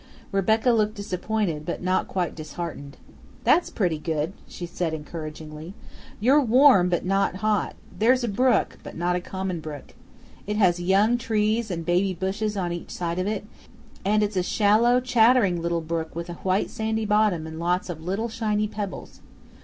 Rebecca looked disappointed but not quite dis heartened. "That's pretty good," she said encouragingly. "You're warm but not hot; there's a brook, but not a common brook. It has young trees and baby bushes on each side of it, and it's a shallow chattering little brook with a white sandy bottom and lots of little shiny pebbles.